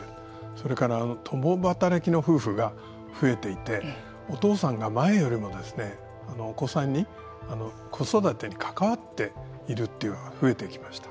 それから、共働きの夫婦が増えていてお父さんが前よりもお子さんに子育てに関わっているというのが増えてきました。